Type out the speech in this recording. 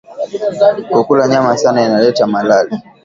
Kukula nyama sana ina leta malali